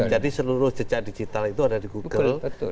jadi seluruh jejak digital itu ada di google